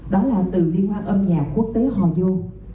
đó là từ liên hoa âm nhạc quốc tế hòa dô